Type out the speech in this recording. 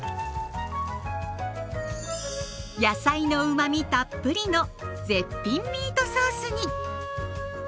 野菜のうまみたっぷりの絶品ミートソースに。